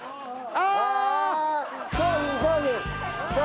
ああ！